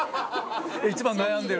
一番悩んでるんで。